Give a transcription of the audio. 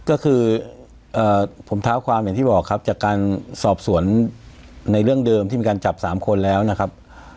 ก็คือผมเท้าความอย่างที่บอกครับจากการสอบสวนในเรื่องเดิมที่มีการจับ๓คนแล้วนะครับ